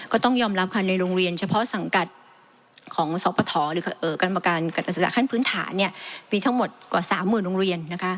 ก็ต้องยอมรับค่ะในโรงเรียนเฉพาะสังกัดของสปฐหรือกรรมการศึกษาขั้นพื้นฐานมีทั้งหมดกว่า๓๐๐๐โรงเรียน